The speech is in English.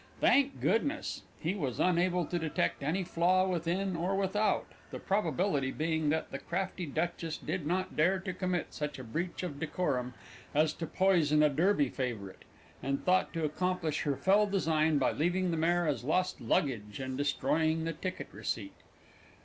Thank goodness! He was unable to detect any flaw within or without the probability being that the crafty Duchess did not dare to commit such a breach of decorum as to poison a Derby favourite, and thought to accomplish her fell design by leaving the mare as lost luggage and destroying the ticket receipt.